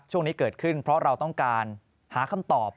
ช่วงนี้เกิดขึ้นเพราะเราต้องการหาคำตอบ